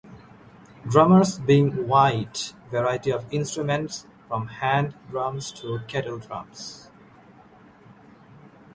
Drummers bring a wide variety of instruments from hand drums to kettledrums.